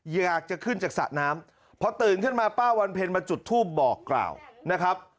อยากจะขึ้นจากสระน้ำพอตื่นขึ้นมาป้าวันเพ็ญมาจุดทูปบอกกล่าวนะครับ